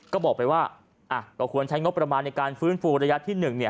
ก็บอกไปว่าก็ควรใช้งบประมาณในการฟื้นฟูระยะที่๑